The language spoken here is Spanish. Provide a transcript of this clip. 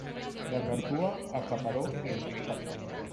Gargantúa acaparó el espectáculo.